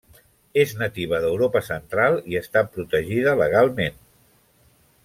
És nativa d'Europa Central i està protegida legalment.